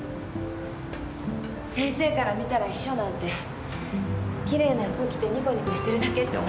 先生から見たら秘書なんてきれいな服着てニコニコしてるだけって思ってるでしょうけど。